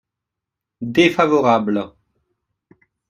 Défavorable.